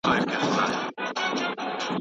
آیا تاسو پوهېږئ پښتورګي څنګه کار کوي؟